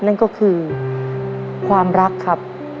นั่นก็คือความรักครับ